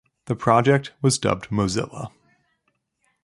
The project was dubbed Mozilla.